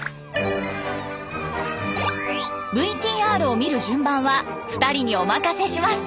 ＶＴＲを見る順番は２人にお任せします。